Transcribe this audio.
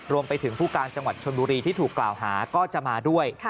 รวมไปถึงผู้การจังหวัดชนบุรีที่ถูกกล่าวหาก็จะมาด้วย